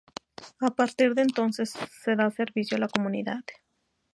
A partir de entonces se da servicio a la comunidad.